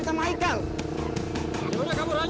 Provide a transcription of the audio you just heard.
jaga jarak aman